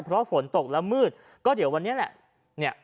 เพราะฝนตกแล้วมืดก็เดี๋ยววันนี้แหละ